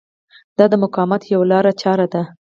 دا د مقاومت یوه لارچاره ده.